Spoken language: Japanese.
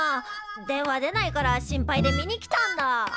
電話出ないから心配で見に来たんだ。